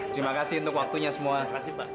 terima kasih untuk waktunya semua